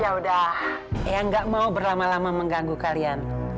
yaudah eang gak mau berlama lama mengganggu kalian